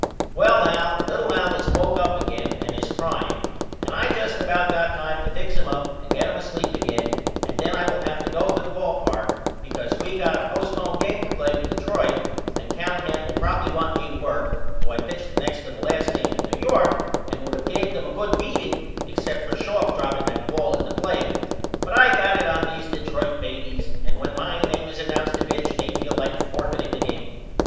Well Al little Al is woke up again and is crying and I just about got time to fix him up and get him asleep again and then I will have to go to the ball park because we got a postponed game to play with Detroit and Callahan will probily want me to work though I pitched the next to the last game in New York and would of gave them a good beating except for Schalk dropping that ball at the plate but I got it on these Detroit babys and when my name is announced to pitch they feel like forfiting the game.